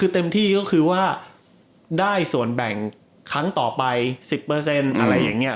ถ้าบอกเธอเองว่าอยากใช้ไฟ๑๐เปอร์เซ็นต์อะไรอย่างนี้